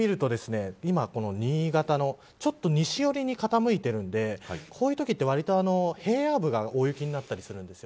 これ見ると今、新潟のちょっと西寄りに傾いているんでこういうときはわりと平野部が大雪になったりするんです。